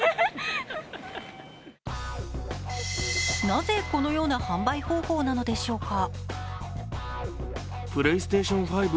なぜこのような販売方法なのでしょうか？